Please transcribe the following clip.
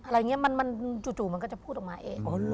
อะไรอย่างนี้มันจู่มันก็จะพูดออกมาเอง